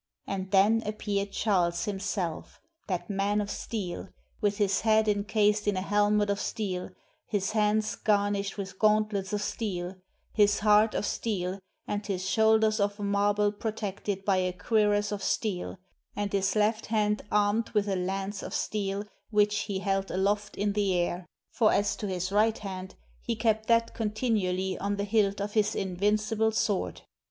And then appeared Charles himself, that man of steel, with his head encased in a helmet of steel, his hands garnished with gauntlets of steel, his heart of steel and his shoulders of marble pro tected by a cuirass of steel, and his left hand armed with a lance of steel which he held aloft in the air; for as to his right hand he kept that continually on the hilt of his in vincible sword.